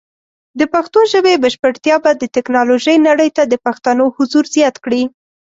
د پښتو ژبې بشپړتیا به د ټیکنالوجۍ نړۍ ته د پښتنو حضور زیات کړي.